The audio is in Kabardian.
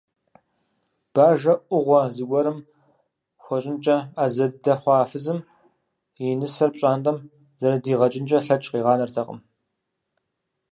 Бажэ Ӏугъуэ зыгуэрым хуэщӀынкӀэ Ӏэзэ дыдэ хъуа фызым и нысэр пщӀантӀэм зэрыдигъэкӀынкӀэ лъэкӀ къигъанэртэкъым.